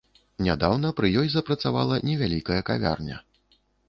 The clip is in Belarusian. Нядаўна пры ёй запрацавала невялікая кавярня.